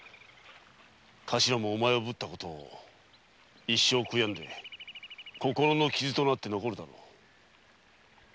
カシラもお前をぶったことを一生悔やみ心の傷となって残るだろう。